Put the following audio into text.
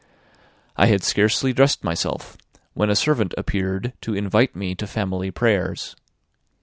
I had scarcely dressed myself, when a servant appeared to invite me to family prayers.